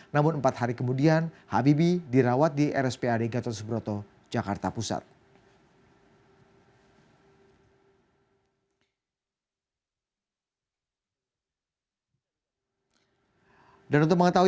namun empat hari kemudian habibie dirawat di rsprd gatus broto jakarta pusat